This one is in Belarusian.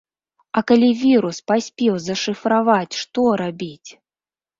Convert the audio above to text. А калі вірус паспеў зашыфраваць, што рабіць?